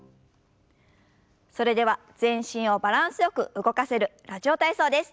それでは全身をバランスよく動かせる「ラジオ体操」です。